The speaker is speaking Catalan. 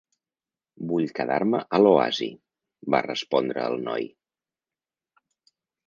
"Vull quedar-me a l'oasi", va respondre el noi.